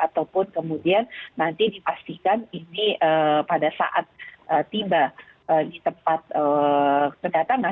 ataupun kemudian nanti dipastikan ini pada saat tiba di tempat kedatangan